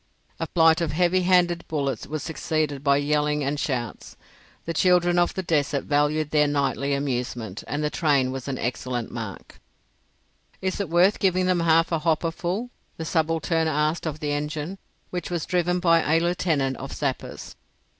A flight of heavy handed bullets was succeeded by yelling and shouts. The children of the desert valued their nightly amusement, and the train was an excellent mark. "Is it worth giving them half a hopper full?" the subaltern asked of the engine, which was driven by a Lieutenant of Sappers.